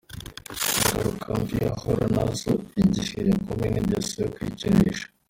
Ingaruka mbi umugore ahura nazo igihe yokamwe n’ingeso yo kwikinisha.